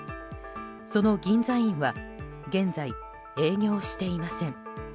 その銀座院は現在、営業していません。